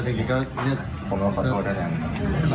แต่จริงก็เรียกคุณผมก็ขอโทษรัก